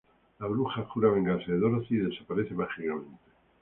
La bruja jura vengarse de Dorothy y desaparece mágicamente.